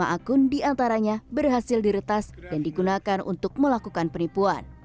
lima akun diantaranya berhasil diretas dan digunakan untuk melakukan penipuan